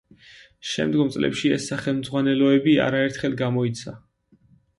შემდგომ წლებში ეს სახელმძღვანელოები არაერთხელ გამოიცა.